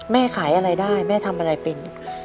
แม่ขายอะไรได้แม่ทำอะไรเป็น